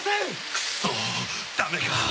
クッソダメか！